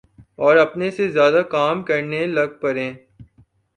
اوراپنے سے زیادہ کام کرنے لگ پڑیں۔